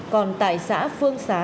còn tại xã phương xá